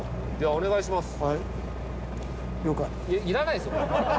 いらないですよ。